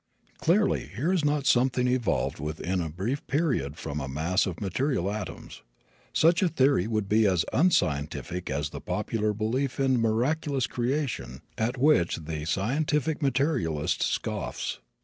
Clearly, here is not something evolved within a brief period from a mass of material atoms. Such a theory would be as unscientific as the popular belief in miraculous creation at which the scientific materialist scoffs.